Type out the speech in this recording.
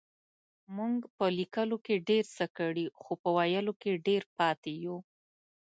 مونږ په لکيلو کې ډير څه کړي خو په ويلو کې ډير پاتې يو.